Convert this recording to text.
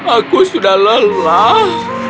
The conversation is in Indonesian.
aku sudah lelah